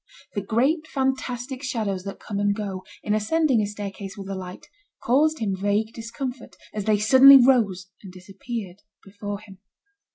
The great fantastic shadows that come and go, in ascending a staircase with a light, caused him vague discomfort, as they suddenly rose and disappeared before him.